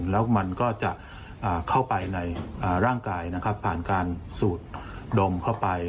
แล้วมันก็จะเข้าไปในร่างกายนะครับผ่านการสูดดมเข้าไป